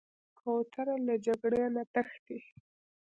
کوتره له جګړې نه تښتي.